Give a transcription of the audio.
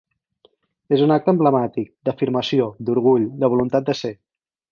És un acte emblemàtic, d’afirmació, d’orgull, de voluntat de ser.